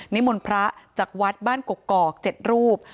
นิมวนพระจากวัดบ้านกกอกก่อก๗รูป